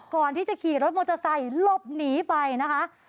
ก่อนที่จะขี่รถมอเตอร์ไซค์หลบหนีไปนะคะ